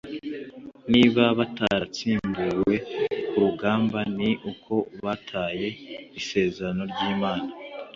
niba baratsimbuwe ku rugamba, ni uko bataye isezerano ry'imana